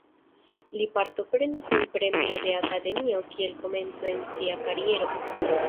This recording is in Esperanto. Li partoprenis en premio de akademioj kiel komenco en sia kariero.